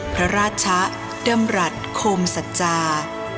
พระราชะดำรัฐโคมสัจจา